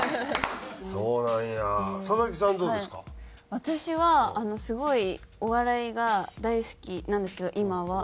私はすごいお笑いが大好きなんですけど今は。